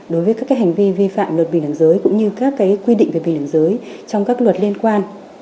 đối với các hành vi vi phạm luật bình đẳng giới cũng như các quy định về bình đẳng giới trong các luật liên quan